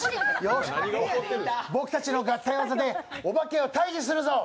僕たちの合体技でお化けを退治するぞ！